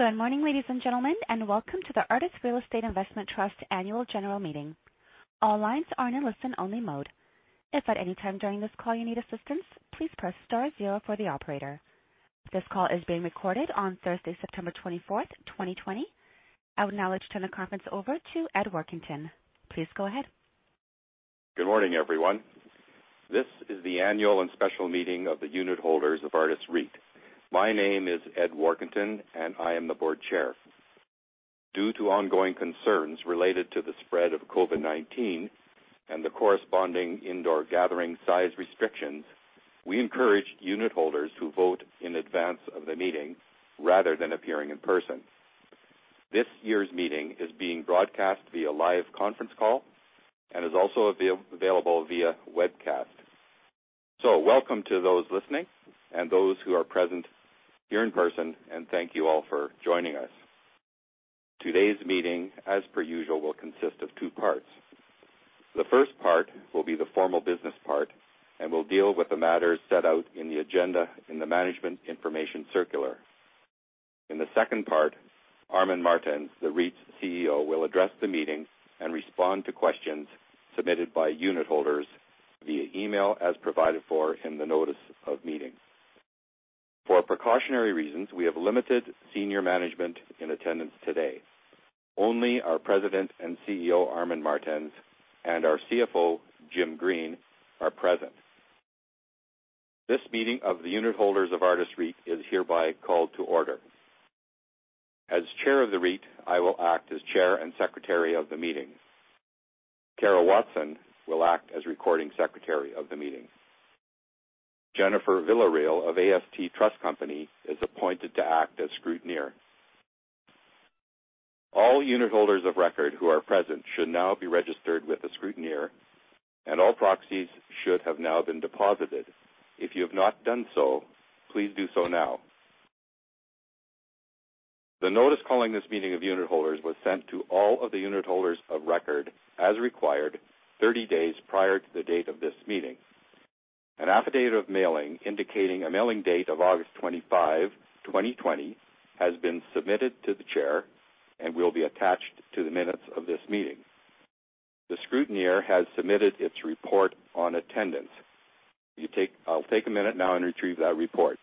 Good morning, ladies and gentlemen, and welcome to the Artis Real Estate Investment Trust Annual General Meeting. This call is being recorded on Thursday, September 24, 2020. I would now like to turn the conference over to Ed Warkentin. Please go ahead. Good morning, everyone. This is the annual and special meeting of the unitholders of Artis REIT. My name is Edward Warkentin, and I am the board chair. Due to ongoing concerns related to the spread of COVID-19 and the corresponding indoor gathering size restrictions, we encourage unitholders to vote in advance of the meeting rather than appearing in person. This year's meeting is being broadcast via live conference call and is also available via webcast. Welcome to those listening and those who are present here in person, and thank you all for joining us. Today's meeting, as per usual, will consist of two parts. The first part will be the formal business part and will deal with the matters set out in the agenda in the management information circular. In the second part, Armin Martens, the REIT's CEO, will address the meeting and respond to questions submitted by unitholders via email as provided for in the notice of meeting. For precautionary reasons, we have limited senior management in attendance today. Only our President and CEO, Armin Martens, and our CFO, Jim Green, are present. This meeting of the unitholders of Artis REIT is hereby called to order. As chair of the REIT, I will act as Chair and Secretary of the meeting. Cara Watson will act as recording secretary of the meeting. Jennifer Villarreal of AST Trust Company is appointed to act as scrutineer. All unitholders of record who are present should now be registered with the scrutineer, and all proxies should have now been deposited. If you have not done so, please do so now. The notice calling this meeting of unitholders was sent to all of the unitholders of record as required 30 days prior to the date of this meeting. An affidavit of mailing indicating a mailing date of August 25, 2020 has been submitted to the chair and will be attached to the minutes of this meeting. The scrutineer has submitted its report on attendance. I'll take a minute now and retrieve that report.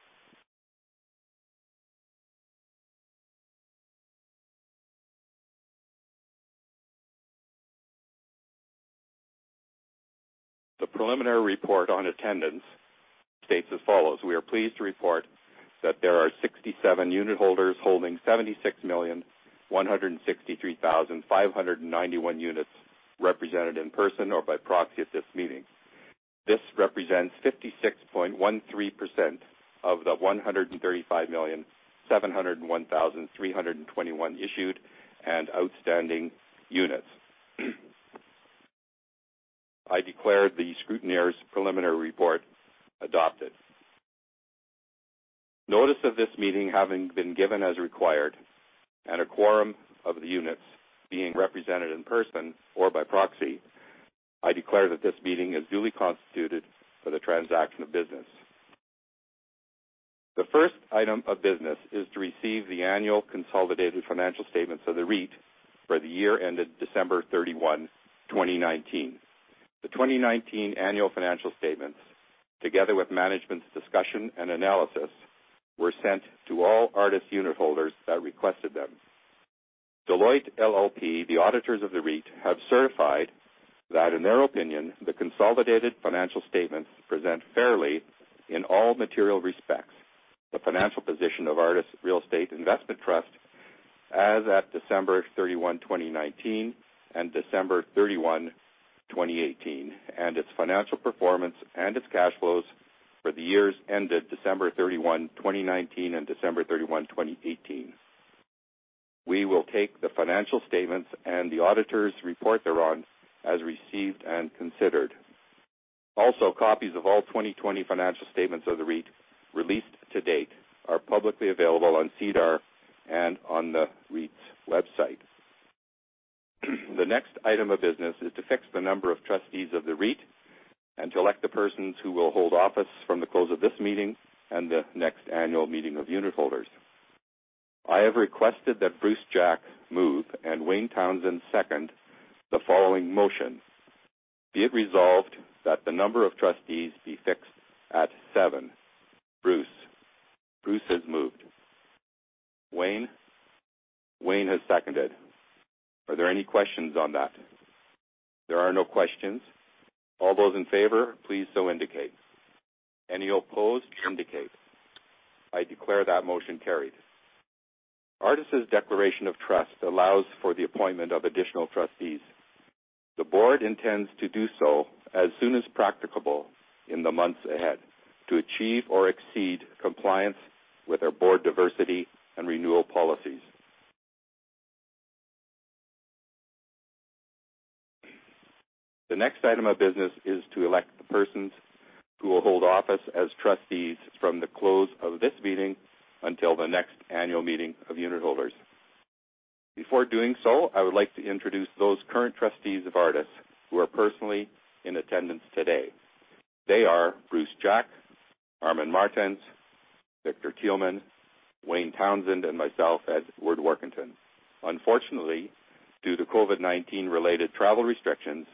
The preliminary report on attendance states as follows: We are pleased to report that there are 67 unitholders holding 76,163,591 units represented in person or by proxy at this meeting. This represents 56.13% of the 135,701,321 issued and outstanding units. I declare the scrutineer's preliminary report adopted. Notice of this meeting having been given as required and a quorum of the units being represented in person or by proxy, I declare that this meeting is duly constituted for the transaction of business. The first item of business is to receive the annual consolidated financial statements of the REIT for the year ended December 31 2019. The 2019 annual financial statements, together with management's discussion and analysis, were sent to all Artis unitholders that requested them. Deloitte LLP, the auditors of the REIT, have certified that, in their opinion, the consolidated financial statements present fairly in all material respects the financial position of Artis Real Estate Investment Trust as at December 31 2019 and December 31 2018, and its financial performance and its cash flows for the years ended December 31 2019 and December 31 2018. We will take the financial statements and the auditor's report thereon as received and considered. Also, copies of all 2020 financial statements of the REIT released to date are publicly available on SEDAR and on the REIT's website. The next item of business is to fix the number of trustees of the REIT and to elect the persons who will hold office from the close of this meeting and the next annual meeting of unitholders. I have requested that Bruce Jack move and Wayne Townsend second the following motion. Be it resolved that the number of trustees be fixed at 7. Bruce? Bruce has moved. Wayne? Wayne has seconded. Are there any questions on that? There are no questions. All those in favor, please so indicate. Any opposed, indicate. I declare that motion carried. Artis' declaration of trust allows for the appointment of additional trustees. The board intends to do so as soon as practicable in the months ahead to achieve or exceed compliance with our board diversity and renewal policies. The next item of business is to elect the persons who will hold office as trustees from the close of this meeting until the next annual meeting of unitholders. Before doing so, I would like to introduce those current trustees of Artis who are personally in attendance today. They are Bruce Jack, Armin Martens, Victor Thielmann, Wayne Townsend, and myself, Edward Warkentin. Unfortunately, due to COVID-19 related travel restrictions,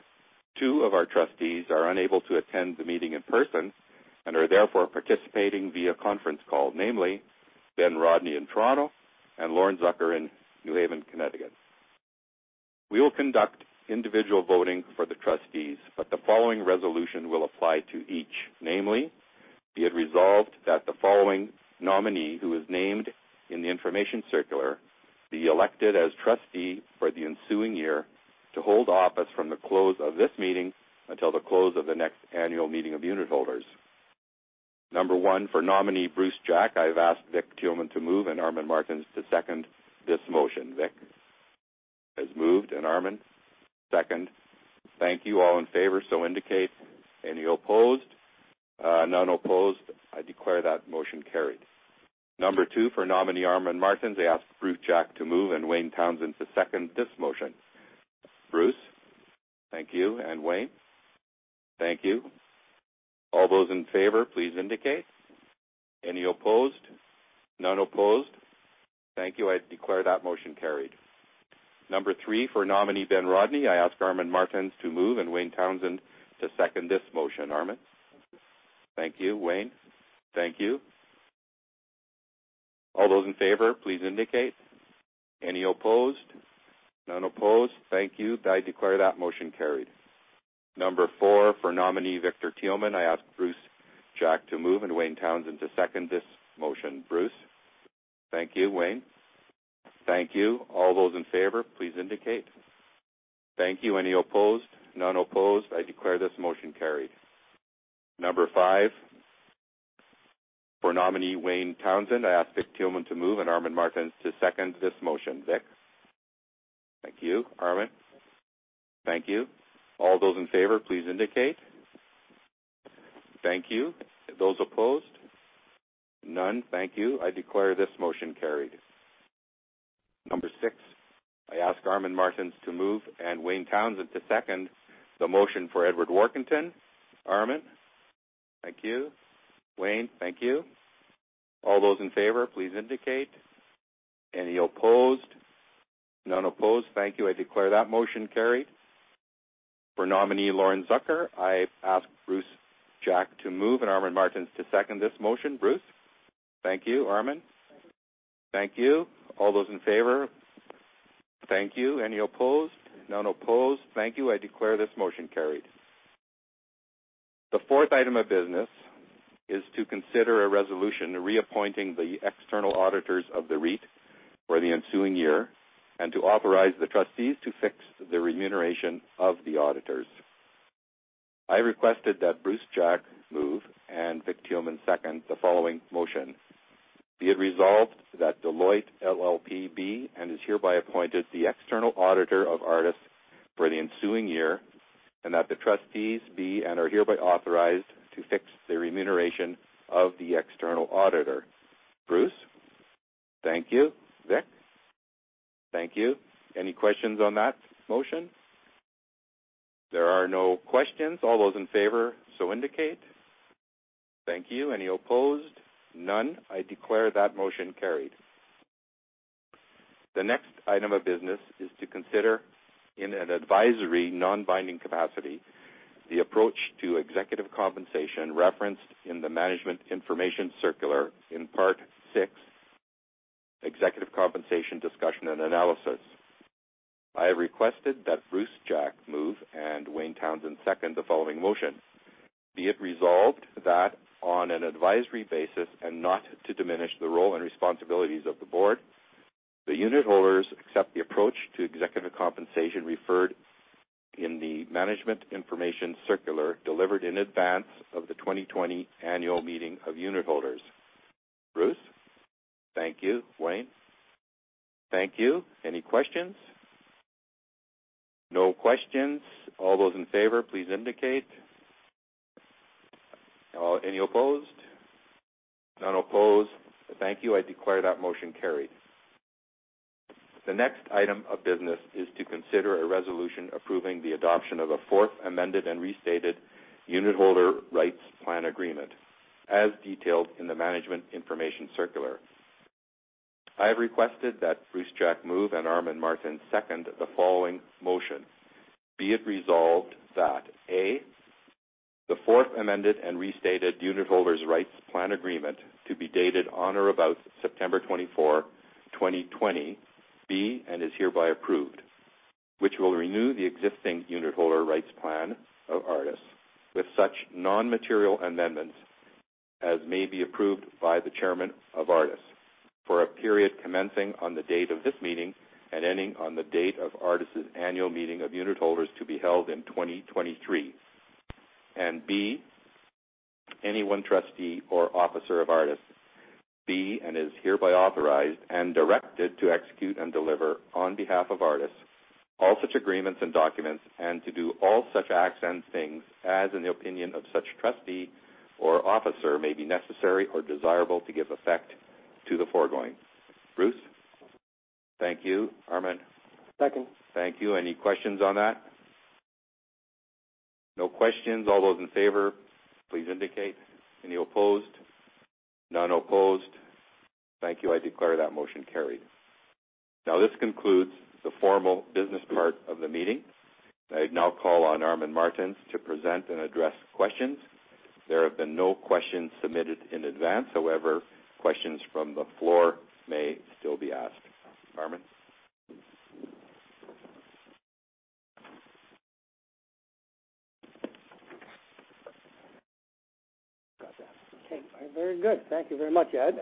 two of our trustees are unable to attend the meeting in person and are therefore participating via conference call, namely Ben Rodney in Toronto and Lauren Zucker in New Haven, Connecticut. We will conduct individual voting for the trustees, but the following resolution will apply to each, namely, be it resolved that the following nominee, who is named in the information circular, be elected as trustee for the ensuing year, to hold office from the close of this meeting until the close of the next annual meeting of unitholders. Number 1, for nominee Bruce Jack, I've asked Vic Thielman to move and Armin Martens to second this motion. Vic has moved and Armin, second. Thank you. All in favor, so indicate. Any opposed? None opposed. I declare that motion carried. Number 2, for nominee Armin Martens, I ask Bruce Jack to move and Wayne Townsend to second this motion. Bruce? Thank you. Wayne? Thank you. All those in favor, please indicate. Any opposed? None opposed. Thank you. I declare that motion carried. Number three, for nominee Ben Rodney, I ask Armin Martens to move and Wayne Townsend to second this motion. Armin? Thank you. Wayne? Thank you. All those in favor, please indicate. Any opposed? None opposed. Thank you. I declare that motion carried. Number four, for nominee Victor Thielman, I ask Bruce Jack to move and Wayne Townsend to second this motion. Bruce? Thank you. Wayne? Thank you. All those in favor, please indicate. Thank you. Any opposed? None opposed. I declare this motion carried. Number five, for nominee Wayne Townsend, I ask Vic Thielman to move and Armin Martens to second this motion. Vic? Thank you. Armin? Thank you. All those in favor, please indicate. Thank you. Those opposed? None. Thank you. I declare this motion carried. Number six, I ask Armin Martens to move and Wayne Townsend to second the motion for Edward Warkentin. Armin? Thank you. Wayne? Thank you. All those in favor, please indicate. Any opposed? None opposed. Thank you. I declare that motion carried. For nominee Lauren Zucker, I ask Bruce Jack to move and Armin Martens to second this motion. Bruce? Thank you. Armin? Thank you. All those in favor? Thank you. Any opposed? None opposed. Thank you. I declare this motion carried. The fourth item of business is to consider a resolution reappointing the external auditors of the REIT for the ensuing year and to authorize the trustees to fix the remuneration of the auditors. I requested that Bruce Jack move and Vic Thielman second the following motion. Be it resolved that Deloitte LLP be and is hereby appointed the external auditor of Artis for the ensuing year, and that the trustees be and are hereby authorized to fix the remuneration of the external auditor. Bruce? Thank you. Vic? Thank you. Any questions on that motion? There are no questions. All those in favor, so indicate. Thank you. Any opposed? None. I declare that motion carried. The next item of business is to consider, in an advisory, non-binding capacity, the approach to executive compensation referenced in the management information circular in part six, executive compensation discussion and analysis. I have requested that Bruce Jack move and Wayne Townsend second the following motion. Be it resolved that on an advisory basis and not to diminish the role and responsibilities of the board, the unitholders accept the approach to executive compensation referred in the management information circular delivered in advance of the 2020 annual meeting of unitholders. Bruce? Thank you. Wayne? Thank you. Any questions? No questions. All those in favor, please indicate. Any opposed? None opposed. Thank you. I declare that motion carried. The next item of business is to consider a resolution approving the adoption of a fourth amended and restated unitholder rights plan agreement as detailed in the management information circular. I have requested that Bruce Jack move and Armin Martens second the following motion. Be it resolved that, A, the fourth amended and restated unitholders' rights plan agreement to be dated on or about September 24, 2020 be and is hereby approved, which will renew the existing unitholder rights plan of Artis with such non-material amendments as may be approved by the chairman of Artis for a period commencing on the date of this meeting and ending on the date of Artis' annual meeting of unitholders to be held in 2023. B, any one trustee or officer of Artis be and is hereby authorized and directed to execute and deliver on behalf of Artis all such agreements and documents, and to do all such acts and things, as in the opinion of such trustee or officer may be necessary or desirable to give effect to the foregoing. Bruce? Thank you. Armin? Second. Thank you. Any questions on that? No questions. All those in favor, please indicate. Any opposed? None opposed. Thank you. I declare that motion carried. Now this concludes the formal business part of the meeting. I now call on Armin Martens to present and address questions. There have been no questions submitted in advance. However, questions from the floor may still be asked. Armin? Got that. Okay. Very good. Thank you very much, Ed.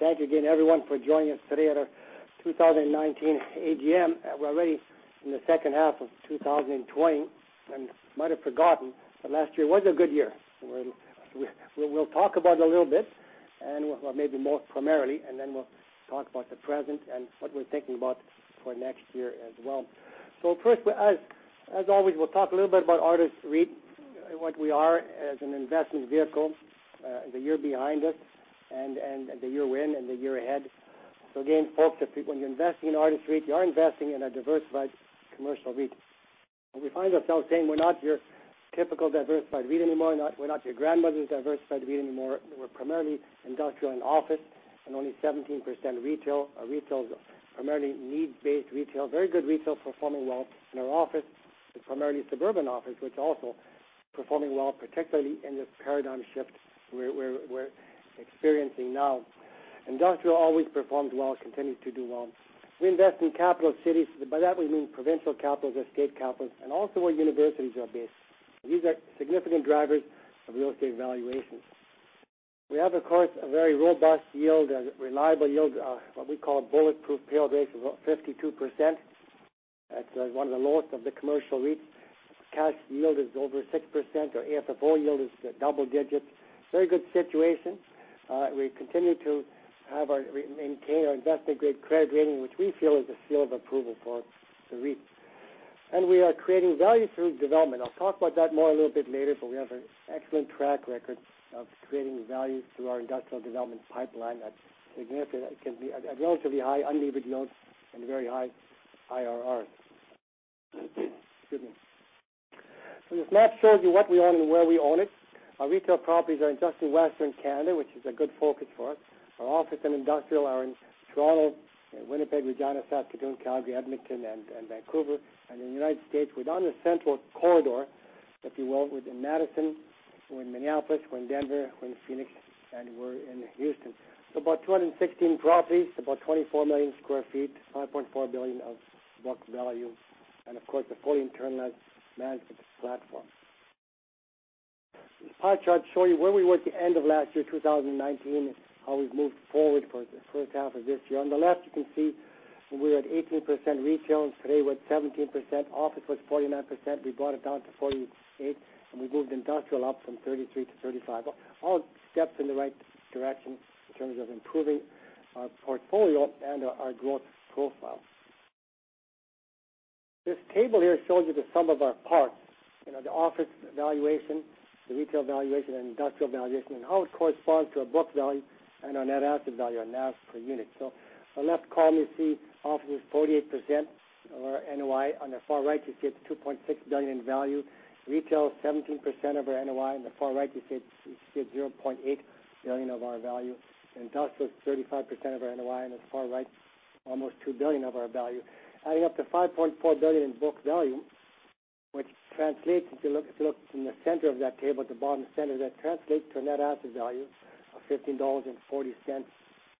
Thank you again everyone for joining us today at our 2019 AGM. We're already in the second half of 2020 and might have forgotten, but last year was a good year. We'll talk about it a little bit, and maybe more primarily, and then we'll talk about the present and what we're thinking about for next year as well. First, as always, we'll talk a little bit about Artis REIT, what we are as an investment vehicle, the year behind us and the year we're in and the year ahead. Again, folks, when you're investing in Artis REIT, you're investing in a diversified commercial REIT. We find ourselves saying we're not your typical diversified REIT anymore, we're not your grandmother's diversified REIT anymore. We're primarily industrial and office, and only 17% retail. Our retail is primarily needs-based retail, very good retail performing well in our office. It's primarily suburban office, which also performing well, particularly in the paradigm shift we're experiencing now. Industrial always performed well, continues to do well. We invest in capital cities. By that we mean provincial capitals or state capitals, and also where universities are based. These are significant drivers of real estate valuations. We have, of course, a very robust yield, a reliable yield, what we call a bulletproof payout ratio of 52%. That's one of the lowest of the commercial REITs. Cash yield is over 6%. Our AFFO yield is double digits. Very good situation. We continue to maintain our investment-grade credit rating, which we feel is a seal of approval for the REIT. We are creating value through development. I'll talk about that more a little bit later. We have an excellent track record of creating value through our industrial development pipeline that's significant. It can be a relatively high unlevered NOI and very high IRRs. Excuse me. This map shows you what we own and where we own it. Our retail properties are just in Western Canada, which is a good focus for us. Our office and industrial are in Toronto, Winnipeg, Regina, Saskatoon, Calgary, Edmonton, and Vancouver. In the U.S., we're down the central corridor, if you will, we're in Madison, we're in Minneapolis, we're in Denver, we're in Phoenix, and we're in Houston. About 216 properties, about 24 million sq ft, 5.4 billion of book value. Of course, a fully internalized management platform. This pie chart show you where we were at the end of last year, 2019, how we've moved forward for the first half of this year. On the left, you can see we are at 18% retail, and today we're at 17%. Office was 49%, we brought it down to 48%, we moved industrial up from 33% to 35%. All steps in the right direction in terms of improving our portfolio and our growth profile. This table here shows you the sum of our parts, the office valuation, the retail valuation, and industrial valuation, and how it corresponds to our book value and our net asset value, our NAV per unit. On the left column, you see office is 48% of our NOI. On the far right, you see it's 2.6 billion in value. Retail is 17% of our NOI. On the far right, you see it's 0.8 billion of our value. Industrial is 35% of our NOI, on the far right, almost 2 billion of our value. Adding up to 5.4 billion in book value, which translates, if you look in the center of that table, the bottom center, that translates to a net asset value of 15.40 dollars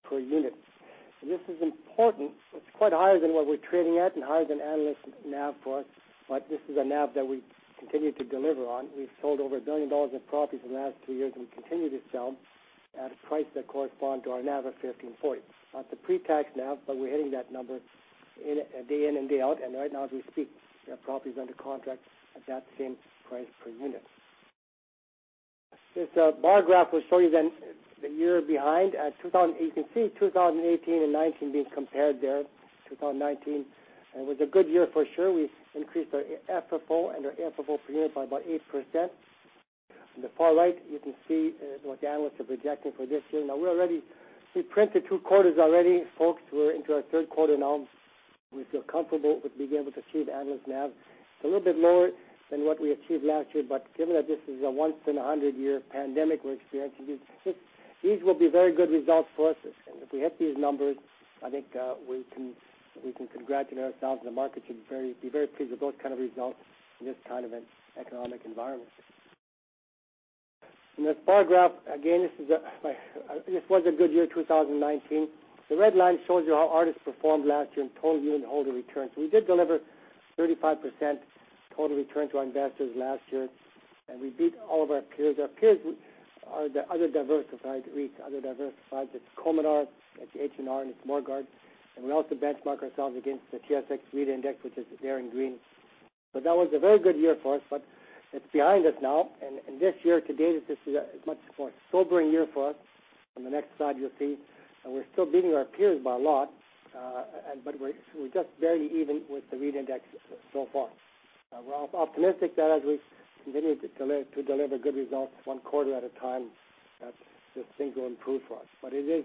per unit. This is important. It's quite higher than what we're trading at and higher than analyst NAV for us, this is a NAV that we continue to deliver on. We've sold over 1 billion dollars in properties in the last two years and continue to sell at a price that corresponds to our NAV of 15.40. It's a pre-tax NAV, we're hitting that number day in and day out. Right now as we speak, we have properties under contract at that same price per unit. This bar graph will show you then the year behind. You can see 2018 and 2019 being compared there. 2019 was a good year for sure. We increased our FFO and our AFFO per unit by about 8%. On the far right, you can see what the analysts are projecting for this year. We've printed two quarters already, folks. We're into our third quarter now. We feel comfortable with being able to achieve analyst NAV. It's a little bit lower than what we achieved last year, but given that this is a once-in-a-100-year pandemic we're experiencing, these will be very good results for us. If we hit these numbers, I think we can congratulate ourselves, and the market should be very pleased with those kind of results in this kind of an economic environment. In this bar graph, again, this was a good year, 2019. The red line shows you how Artis performed last year in total unitholder returns. We did deliver 35% total return to our investors last year, and we beat all of our peers. Our peers are the other diversified REITs. Other diversified, that's Cominar, that's H&R, and it's Morguard. We also benchmark ourselves against the TSX REIT Index, which is there in green. That was a very good year for us, but it's behind us now. This year to date, this is a much more sobering year for us. On the next slide, you'll see, and we're still beating our peers by a lot, but we're just barely even with the REIT Index so far. We're optimistic that as we continue to deliver good results one quarter at a time, that this thing will improve for us. It is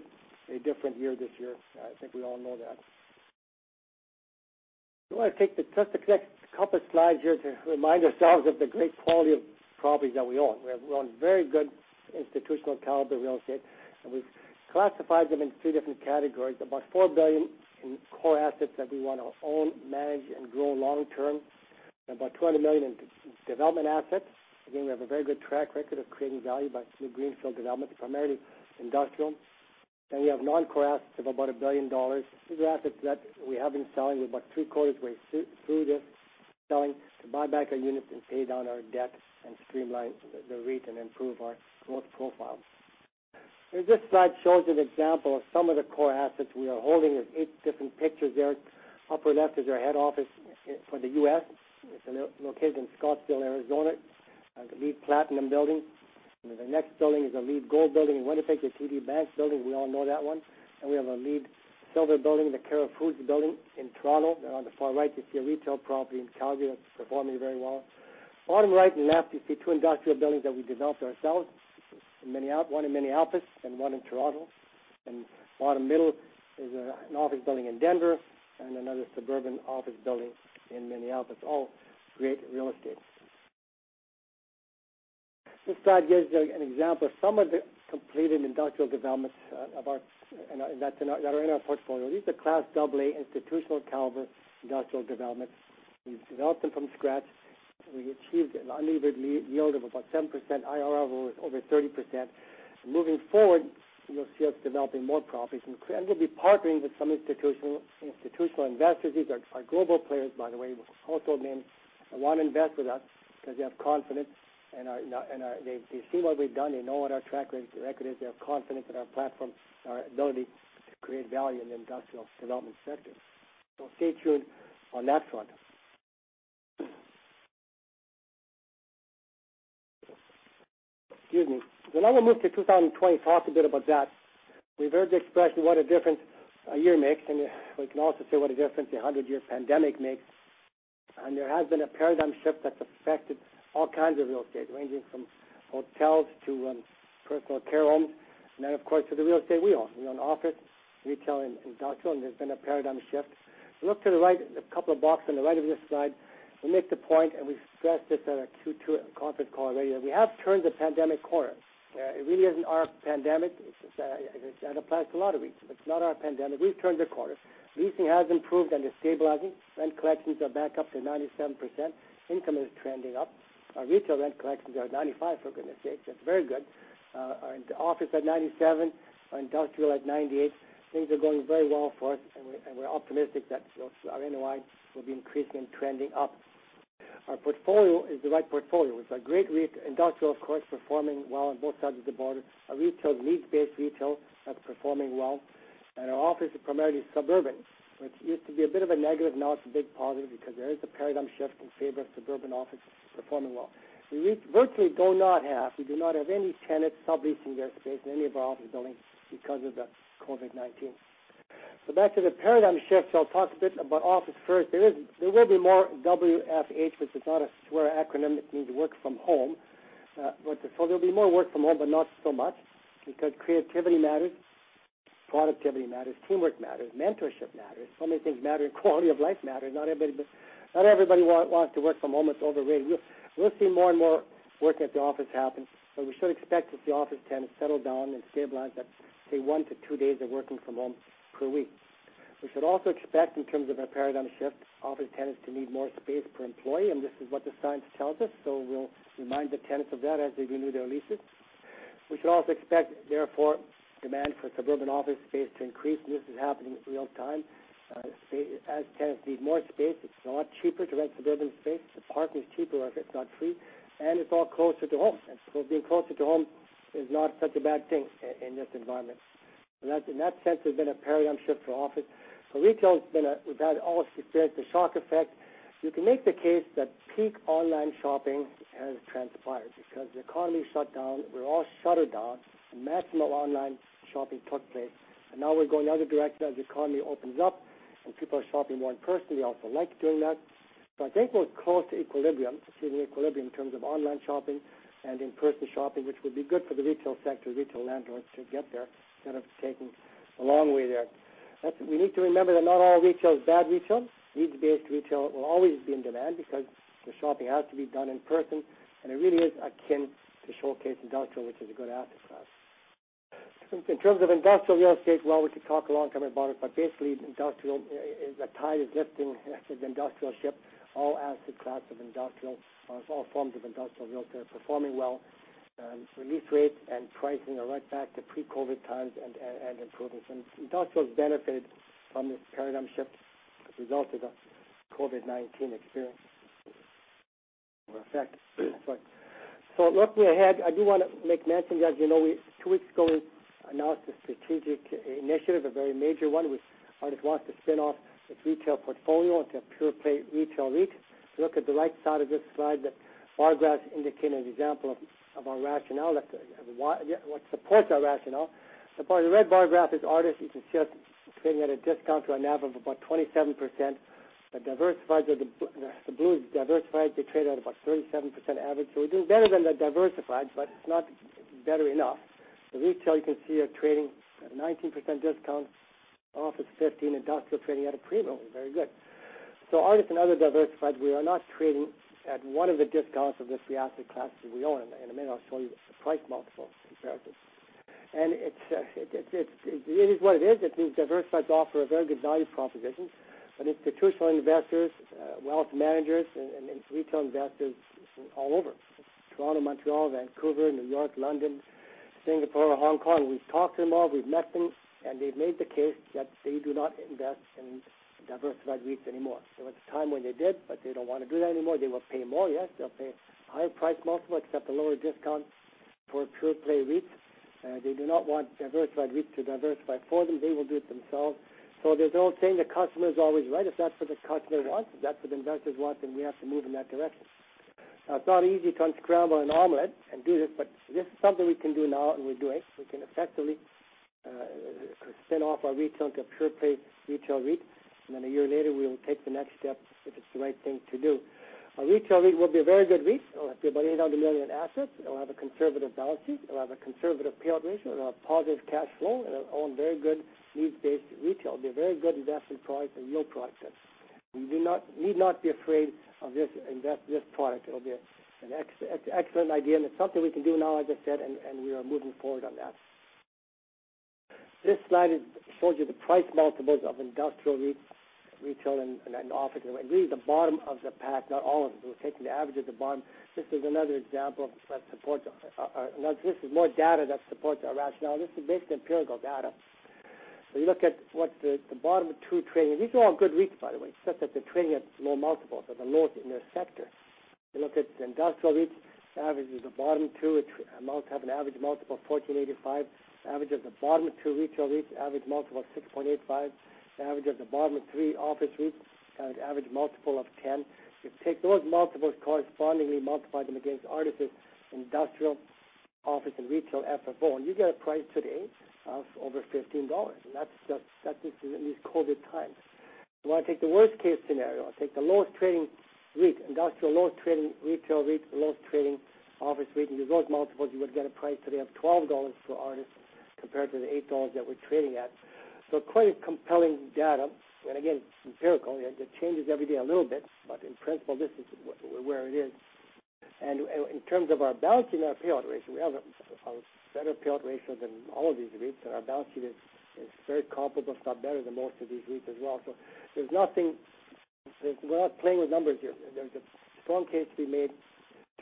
a different year this year. I think we all know that. We want to take just the next couple of slides here to remind ourselves of the great quality of properties that we own. We own very good institutional-caliber real estate, and we've classified them into three different categories. About 4 billion in core assets that we want to own, manage and grow long-term. About 200 million in development assets. Again, we have a very good track record of creating value by through greenfield development, primarily industrial. We have non-core assets of about 1 billion dollars. These are assets that we have been selling. We're about three-quarters way through this selling to buy back our units and pay down our debt and streamline the REIT and improve our growth profile. This slide shows an example of some of the core assets we are holding. There's eight different pictures there. Upper left is our head office for the U.S. It's located in Scottsdale, Arizona, and a LEED platinum building. The next building is a LEED gold building in Winnipeg. It's a TD Bank building. We all know that one. We have a LEED silver building, the Concorde building in Toronto. On the far right, you see a retail property in Calgary that's performing very well. Bottom right and left, you see two industrial buildings that we developed ourselves, one in Minneapolis and one in Toronto. Bottom middle is an office building in Denver and another suburban office building in Minneapolis. All great real estate. This slide gives you an example of some of the completed industrial developments that are in our portfolio. These are Class AA institutional-caliber industrial developments. We've developed them from scratch. We achieved an unlevered yield of about 7%, IRR was over 30%. Moving forward, you'll see us developing more properties, and we'll be partnering with some institutional investors. These are global players, by the way, who also want to invest with us because they have confidence in our. They've seen what we've done. They know what our track record is. They have confidence in our platform, our ability to create value in the industrial development sector. Stay tuned on that front. Excuse me. I'm going to move to 2020, talk a bit about that. We've heard the expression, what a difference a year makes, and we can also say what a difference a hundred-year pandemic makes. There has been a paradigm shift that's affected all kinds of real estate, ranging from hotels to personal care homes, and then, of course, to the real estate we own. We own office, retail, and industrial, and there's been a paradigm shift. Look to the right, a couple of blocks on the right of this slide. We make the point, and we've stressed this at our Q2 conference call earlier. We have turned the pandemic corner. It really isn't our pandemic. That applies to a lot of REITs. It's not our pandemic. We've turned the corner. Leasing has improved and is stabilizing. Rent collections are back up to 97%. Income is trending up. Our retail rent collections are at 95%, for goodness sake. That's very good. Our office at 97%, our industrial at 98%. Things are going very well for us, and we're optimistic that our NOI will be increasing and trending up. Our portfolio is the right portfolio. It's a great REIT. Industrial, of course, performing well on both sides of the border. Our retail is needs-based retail. That's performing well. Our office is primarily suburban, which used to be a bit of a negative. Now it's a big positive because there is a paradigm shift in favor of suburban office performing well. We virtually do not have any tenants subleasing their space in any of our office buildings because of the COVID-19. Back to the paradigm shift. I'll talk a bit about office first. There will be more WFH, which is not a swear acronym. It means work from home. There'll be more work from home, but not so much, because creativity matters, productivity matters, teamwork matters, mentorship matters. So many things matter, and quality of life matters. Not everybody wants to work from home. It's overrated. We'll see more and more work at the office happen, but we should expect to see office tenants settle down and stabilize at, say, one to two days of working from home per week. We should also expect, in terms of a paradigm shift, office tenants to need more space per employee, and this is what the science tells us. We'll remind the tenants of that as they renew their leases. We should also expect, therefore, demand for suburban office space to increase, and this is happening in real time. As tenants need more space, it's a lot cheaper to rent suburban space. Parking is cheaper, if it's not free, and it's all closer to home. Being closer to home is not such a bad thing in this environment. In that sense, there's been a paradigm shift for office. Retail, we've had all experienced the shock effect. You can make the case that peak online shopping has transpired because the economy shut down. We're all shuttered down, and maximum online shopping took place. Now we're going the other direction as the economy opens up, and people are shopping more in person. We also like doing that. I think we're close to equilibrium, to see the equilibrium in terms of online shopping and in-person shopping, which will be good for the retail sector, retail landlords to get there instead of taking the long way there. We need to remember that not all retail is bad retail. Needs-based retail will always be in demand because the shopping has to be done in person, and it really is akin to showcase industrial, which is a good asset class. In terms of industrial real estate, well, we could talk a long time about it. Basically, industrial, the tide is lifting the industrial ship. All asset class of industrial, all forms of industrial real estate are performing well. Lease rates and pricing are right back to pre-COVID times and improving. Industrial has benefited from this paradigm shift as a result of the COVID-19 experience. Perfect. I do want to make mention, as you know, two weeks ago, we announced a strategic initiative, a very major one. Artis wants to spin off its retail portfolio into a pure-play retail REIT. If you look at the right side of this slide, the bar graphs indicate an example of our rationale, what supports our rationale. The red bar graph is Artis. You can see us trading at a discount to a NAV of about 27%. The blue is diversified. They trade at about 37% average. We're doing better than the diversified, but it's not better enough. The retail, you can see, are trading at a 19% discount, office 15%, industrial trading at a premium. Very good. Artis and other diversified, we are not trading at one of the discounts of this asset class we own. In a minute, I'll show you the price multiple comparisons. It is what it is. It means diversified offer a very good value proposition. Institutional investors, wealth managers, and retail investors all over, Toronto, Montreal, Vancouver, New York, London, Singapore, Hong Kong, we've talked to them all, we've met them, and they've made the case that they do not invest in diversified REITs anymore. There was a time when they did, but they don't want to do that anymore. They will pay more, yes. They'll pay a higher price multiple, accept a lower discount for pure-play REITs. They do not want diversified REIT to diversify for them. They will do it themselves. There's an old saying, the customer is always right. If that's what the customer wants, if that's what investors want, we have to move in that direction. It's not easy to un-scramble an omelet and do this is something we can do now, and we're doing. We can effectively spin off our retail into a pure-play retail REIT, a year later, we will take the next step if it's the right thing to do. Our retail REIT will be a very good REIT. It'll have about 800 million assets. It'll have a conservative balance sheet. It'll have a conservative payout ratio and a positive cash flow, it'll own very good lease-based retail. It'll be a very good investment product and yield product. We need not be afraid of this product. It'll be an excellent idea, and it's something we can do now, as I said, and we are moving forward on that. This slide shows you the price multiples of industrial REIT, retail, and office REIT. These are the bottom of the pack, not all of them. We're taking the average of the bottom. This is more data that supports our rationale. This is basically empirical data. You look at what the bottom two trading. These are all good REITs, by the way, except that they're trading at small multiples of the lowest in their sector. If you look at the industrial REITs, the average is the bottom two, which have an average multiple of 14.85. The average of the bottom two retail REITs, average multiple of 6.85. The average of the bottom three office REITs have an average multiple of 10. If you take those multiples correspondingly, multiply them against Artis' industrial, office, and retail FFO, you get a price today of over 15 dollars. That's in these COVID-19 times. If you want to take the worst-case scenario, take the lowest trading REIT, industrial lowest trading retail REIT, lowest trading office REIT, and use those multiples, you would get a price today of 12 dollars for Artis compared to the 8 dollars that we're trading at. Quite a compelling data. Again, it's empirical. It changes every day a little bit, but in principle, this is where it is. In terms of our balance sheet and our payout ratio, we have a better payout ratio than all of these REITs, and our balance sheet is very comparable, if not better than most of these REITs as well. We're not playing with numbers here. There's a strong case to be made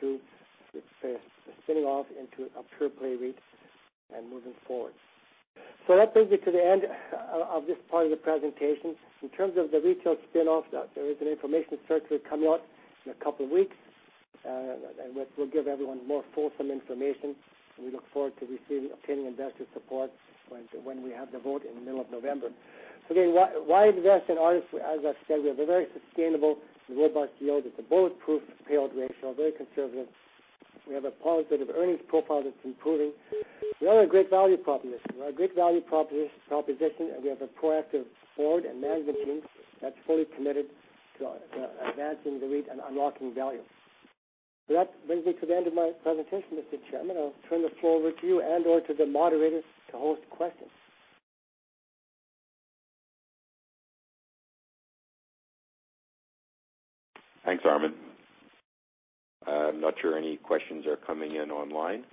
to spinning off into a pure-play REIT and moving forward. That brings me to the end of this part of the presentation. In terms of the retail spin-off, there is an information circular coming out in a couple of weeks, and we'll give everyone more fulsome information. We look forward to obtaining investor support when we have the vote in the middle of November. Again, why invest in Artis? As I said, we have a very sustainable and robust yield. It's a bulletproof payout ratio, very conservative. We have a positive earnings profile that's improving. We own a great value proposition. We're a great value proposition, and we have a proactive board and management team that's fully committed to advancing the REIT and unlocking value. That brings me to the end of my presentation, Mr. Chairman. I'll turn the floor over to you and/or to the moderator to host questions. Thanks, Armin. I'm not sure any questions are coming in online.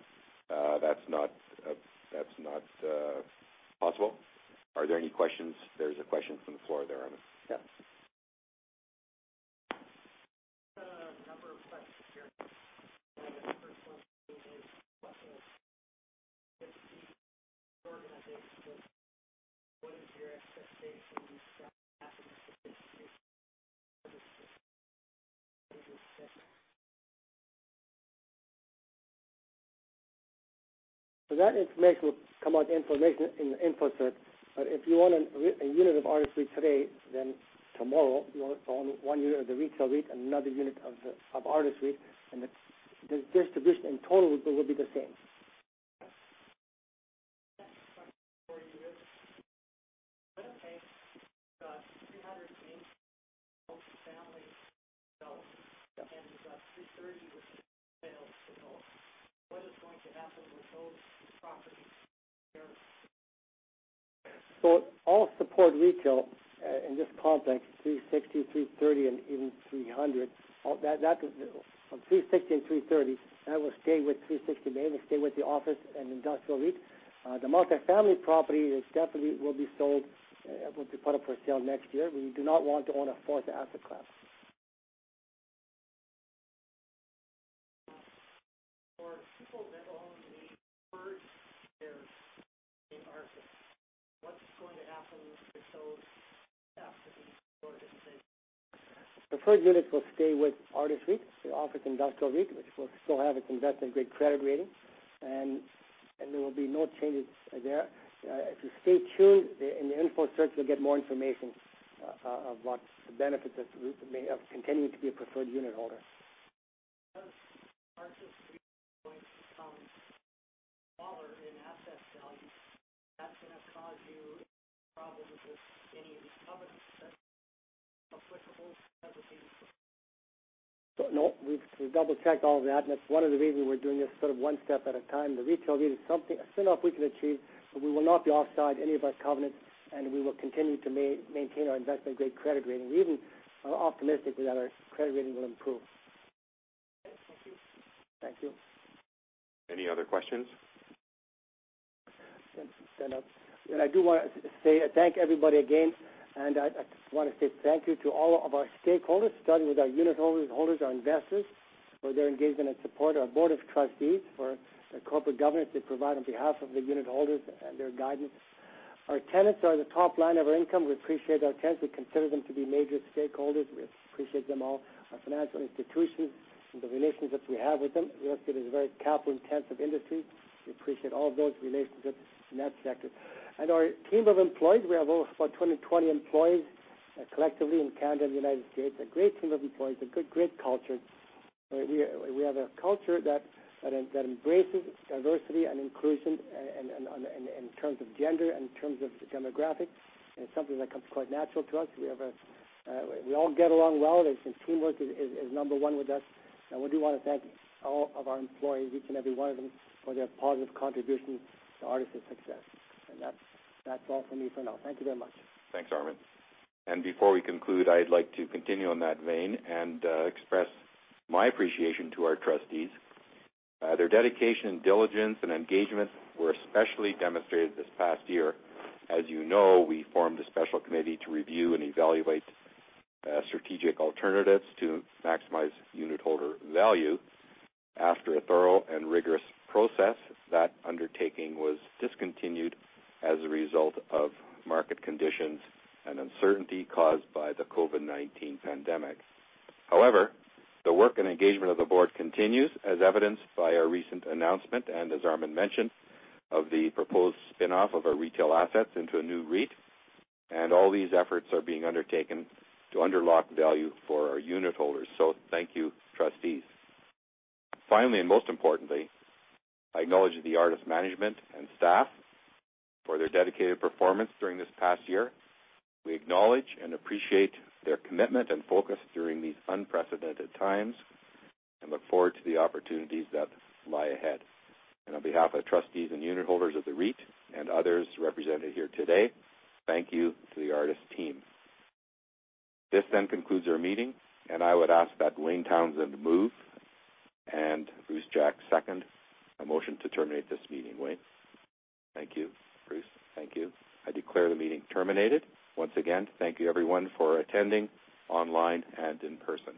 That's not possible. Are there any questions? There's a question from the floor there, Armin. Yeah. A number of questions here. The first one is, what is the organization? What is your exact split in these asset classes? That information will come out in the info cert. If you own a unit of Artis REIT today, then tomorrow you own one unit of the retail REIT, another unit of Artis REIT, and the distribution in total will be the same. Next question for you is, when are you going to sell the 300 multifamily developments and the 330 which you failed to sell? What is going to happen with those properties there? All support retail in this context, 360, 330, and even 300. From 360 and 330, that will stay with 360 Main, will stay with the office and industrial REIT. The multifamily property definitely will be sold, will be put up for sale next year. We do not want to own a fourth asset class. People that own the preferred shares in Artis, what's going to happen to those assets in the organization? The preferred units will stay with Artis REIT. They offer it in industrial REIT, which will still have its investment-grade credit rating, and there will be no changes there. If you stay tuned in the information circular, you'll get more information of what the benefits may have of continuing to be a preferred unit holder. Artis REIT is going to become smaller in asset value, that's going to cause you problems with any covenants that are applicable as a result. No, we've double-checked all of that, and it's one of the reasons we're doing this one step at a time. The retail REIT is something, a spin-off we can achieve, but we will not be offside any of our covenants, and we will continue to maintain our investment-grade credit rating. We even are optimistic that our credit rating will improve. Okay. Thank you. Thank you. Any other questions? Since it's been up. I do want to say thank everybody again, and I want to say thank you to all of our stakeholders, starting with our unit holders, our investors, for their engagement and support. We thank our board of trustees for the corporate governance they provide on behalf of the unit holders and their guidance. Our tenants are the top line of our income. We appreciate our tenants. We consider them to be major stakeholders. We appreciate them all. We thank our financial institutions and the relationships we have with them. The real estate is a very capital-intensive industry. We appreciate all those relationships in that sector. We thank our team of employees. We have over about 220 employees collectively in Canada and the U.S. We have a great team of employees, a great culture. We have a culture that embraces diversity and inclusion in terms of gender and in terms of demographics, and it's something that comes quite natural to us. We all get along well, and teamwork is number one with us. We do want to thank all of our employees, each and every one of them, for their positive contributions to Artis' success. That's all for me for now. Thank you very much. Thanks, Armin. Before we conclude, I'd like to continue on that vein and express my appreciation to our trustees. Their dedication, diligence, and engagement were especially demonstrated this past year. As you know, we formed a special committee to review and evaluate strategic alternatives to maximize unit holder value. After a thorough and rigorous process, that undertaking was discontinued as a result of market conditions and uncertainty caused by the COVID-19 pandemic. However, the work and engagement of the board continues, as evidenced by our recent announcement, and as Armin mentioned, of the proposed spinoff of our retail assets into a new REIT, and all these efforts are being undertaken to unlock value for our unit holders. Thank you, trustees. Finally, most importantly, I acknowledge the Artis management and staff for their dedicated performance during this past year. We acknowledge and appreciate their commitment and focus during these unprecedented times and look forward to the opportunities that lie ahead. On behalf of trustees and unit holders of the REIT and others represented here today, thank you to the Artis team. This then concludes our meeting, and I would ask that Wayne Townsend move and Bruce Jack second a motion to terminate this meeting. Wayne? Thank you, Bruce. Thank you. I declare the meeting terminated. Once again, thank you everyone for attending online and in person.